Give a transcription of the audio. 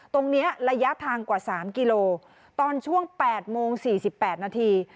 ตรงนี้ระยะทางกว่า๓กิโลกรัมตอนช่วง๘โมง๔๘นาที